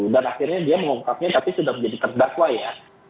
dan akhirnya dia mengungkapnya tapi sudah menjadi terdakwa ya